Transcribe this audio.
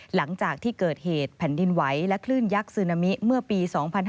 หลังจากที่เกิดเหตุแผ่นดินไหวและคลื่นยักษ์ซึนามิเมื่อปี๒๕๕๙